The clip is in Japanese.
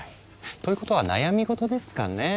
ということは悩み事ですかね。